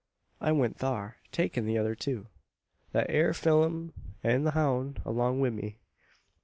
"I went thar, takin' the other two thet air Pheelum an the houn' along wi' me.